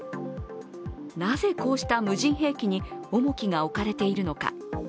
なぜ、こうした無人兵器に重きが置かれているのか。